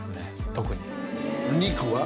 特に肉は？